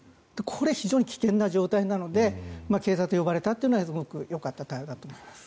これは非常に危険な状態なので警察を呼ばれたのはすごくよかった対応だと思います。